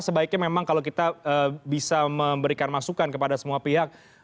sebaiknya memang kalau kita bisa memberikan masukan kepada semua pihak